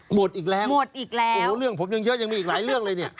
หมดอีกแล้วโอ้โฮเรื่องผมยังเยอะยังมีอีกหลายเรื่องเลยนี่